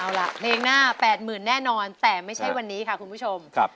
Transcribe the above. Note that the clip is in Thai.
เอาล่ะเพลงหน้า๘๐๐๐แน่นอนแต่ไม่ใช่วันนี้ค่ะคุณผู้ชม